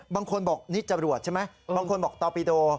บางคนบอกนี่จรวดใช่ไหมบางคนบอกตอปิโด